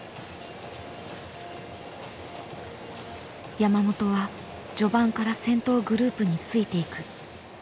山本は序盤から先頭グループについていく。